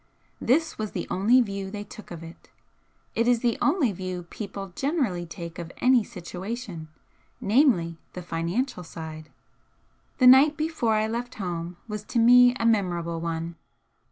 This was the only view they took of it. It is the only view people generally take of any situation, namely, the financial side. The night before I left home was to me a memorable one.